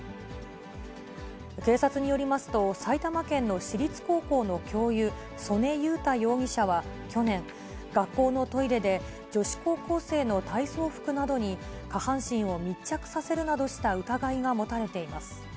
警察によりますと、埼玉県の私立高校の教諭、曽根佑太容疑者は去年、学校のトイレで、女子高校生の体操服などに下半身を密着させるなどした疑いが持たれています。